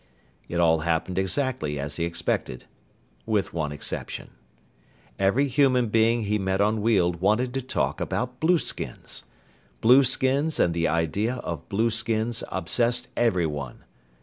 It all happened exactly as he expected, with one exception. Every human being he met on Weald wanted to talk about blueskins. Blueskins and the idea of blueskins obsessed everyone.